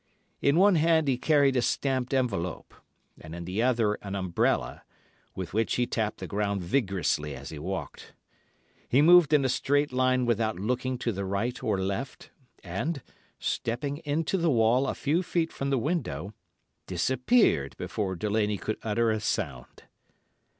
In one hand he carried a stamped envelope, and in the other an umbrella, with which he tapped the ground vigorously as he walked. He moved in a straight line without looking to the right or left, and, stepping into the wall a few feet from the window, disappeared before Delaney could utter a sound.